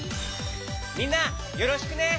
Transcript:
みんなよろしくね！